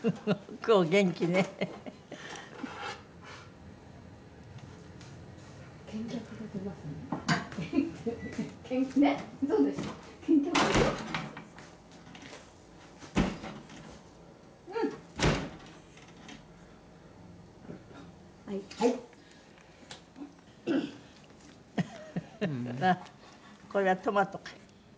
これはトマトか。